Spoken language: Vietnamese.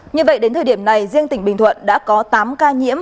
như vậy đến thời điểm này riêng tỉnh bình thuận đã có tám ca nhiễm